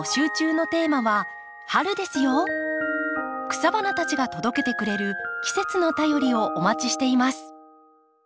草花たちが届けてくれる季節の便りをお待ちしています。